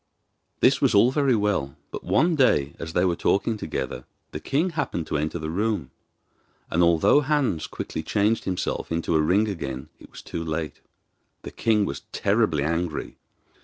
This was all very well; but, one day, as they were talking together, the king happened to enter the room, and although Hans quickly changed himself into a ring again it was too late. The king was terribly angry.